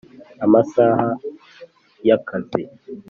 Amasaha Y Akazi